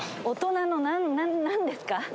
大人の何ですか？